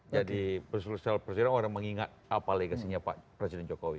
jadi secara persidangan orang mengingat apa legasinya pak presiden jokowi